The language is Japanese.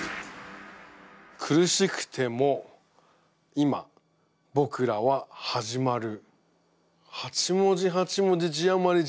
「苦しくても今ぼくらは始まる」。